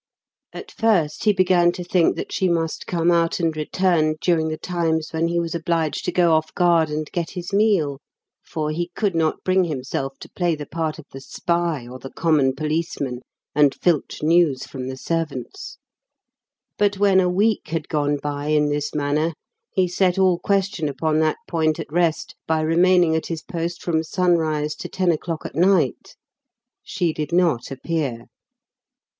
At first, he began to think that she must come out and return during the times when he was obliged to go off guard and get his meal for he could not bring himself to play the part of the spy or the common policeman, and filch news from the servants but when a week had gone by in this manner, he set all question upon that point at rest by remaining at his post from sunrise to ten o'clock at night. She did not appear.